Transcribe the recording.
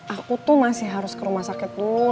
aku tuh masih harus ke rumah sakit dulu